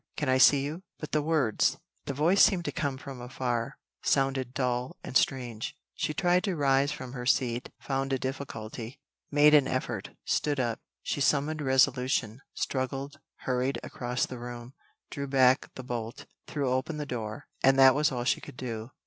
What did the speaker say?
Can I see you?" But the words the voice seemed to come from afar sounded dull and strange. She tried to rise from her seat found a difficulty made an effort stood up she summoned resolution struggled hurried across the room drew back the bolt threw open the door and that was all she could do.